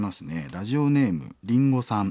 ラジオネームリンゴさん。